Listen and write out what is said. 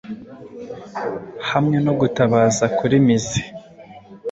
hamwe no gutabaza kuri muse;